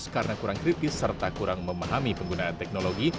karena kurang kritis serta kurang memahami penggunaan teknologi